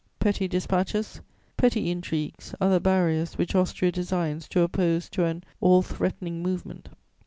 Petty dispatches, petty intrigues are the barriers which Austria designs to oppose to an all threatening movement.